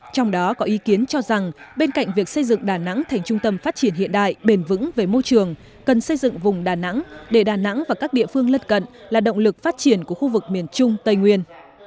trong đó có ý kiến cho rằng bên cạnh việc xây dựng đà nẵng thành trung tâm phát triển hiện đại bền vững về môi trường cần xây dựng vùng đà nẵng để đà nẵng và các địa phương lân cận là động lực phát triển của khu vực miền trung tây nguyên